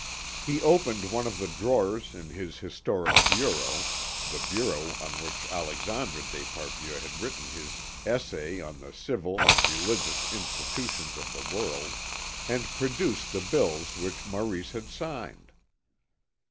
He opened one of the drawers in his historic bureau (the bureau on which Alexandre d'Esparvieu had written his "Essay on the Civil and Religious Institutions of the World"), and produced the bills which Maurice had signed.